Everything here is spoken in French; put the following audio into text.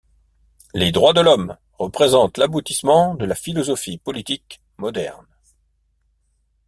Les droits de l’homme représentent l’aboutissement de la philosophie politique moderne.